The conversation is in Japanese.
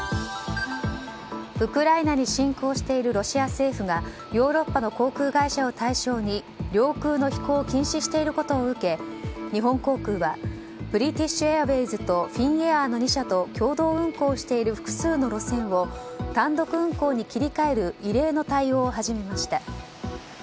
ウクライナに侵攻しているロシア政府がヨーロッパの航空会社を対象に領空の飛行を禁止していることを受け日本航空はブリティッシュ・エアウェイズとフィンエアーの２社と共同運航している複数の路線を単独運航に切り替える異例の対応を始めました。